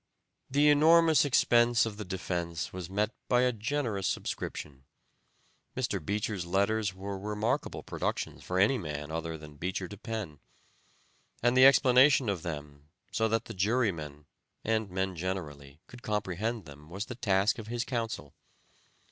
The enormous expense of the defense was met by a generous subscription. Mr. Beecher's letters were remarkable productions for any man other than Beecher to pen, and the explanation of them so that the jury men, and men generally, could comprehend them was the task of his counsel.